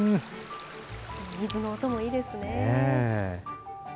水の音もいいですね。